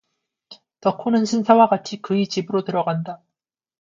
덕호는 순사와 같이 그의 집으로 들어간다.